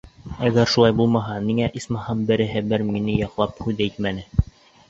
Әгәр шулай булмаһа, ниңә, исмаһам, береһе бер мине яҡлап һүҙ әйтмәне?